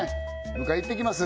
迎え行ってきます